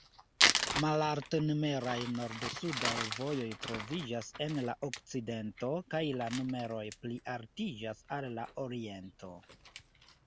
Malalt-numeraj nord-sudaj vojoj troviĝas en la okcidento, kaj la numeroj plialtiĝas al la oriento.